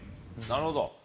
なるほど。